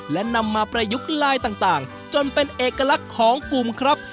และนำมาประยุกต์ลายต่างจนเป็นเอกลักษณ์ของกลุ่มครับ